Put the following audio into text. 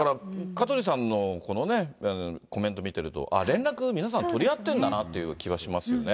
香取さんのこのね、コメント見てると、連絡皆さん取り合ってるんだなって気はしますよね。